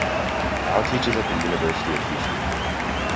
Bao teaches at the University of Houston.